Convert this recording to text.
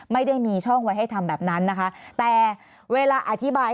ไม่ได้มีช่องไว้ให้ทำแบบนั้นนะคะแต่เวลาอธิบาย